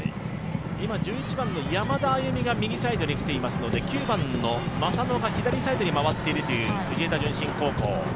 １１番の山田歩美が右サイドに来ていますので９番の正野が左サイドに回っているという藤枝順心高校。